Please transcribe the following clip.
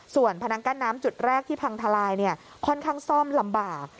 ส่วนพนังกั้นน้ำจุดแรกที่พังทลายค่อนข้างซ่อมลำบาก